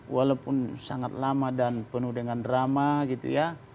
walaupun sangat lama dan penuh dengan drama gitu ya